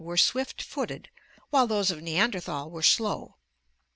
were swift footed, while those of Neander thal were slow.